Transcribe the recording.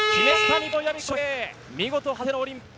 ２度目のオリンピック。